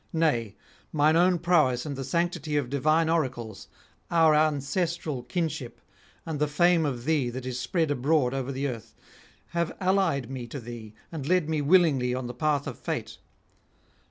Nay, mine own prowess and the sanctity of divine oracles, our ancestral kinship, and the fame of thee that is spread abroad over the earth, have allied me to thee and led me willingly on the path of fate.